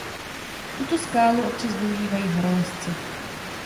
Tuto skálu občas využívají horolezci.